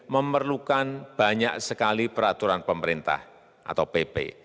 memerlukan banyak sekali peraturan pemerintah atau pp